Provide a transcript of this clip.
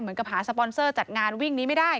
เหมือนกับหาสปอนเซอร์จัดงานวิ่งนี้ไม่ได้